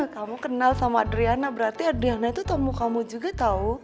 kamu kenal sama adriana berarti adriana itu temu kamu juga tahu